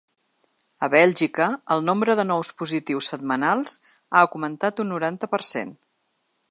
A Bèlgica, el nombre de nous positius setmanals ha augmentat un noranta per cent.